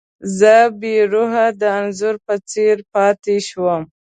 زه بې روحه د انځور په څېر پاتې شم.